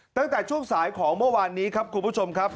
ตั้งแต่ช่วงสายของเมื่อวานนี้ครับคุณผู้ชมครับ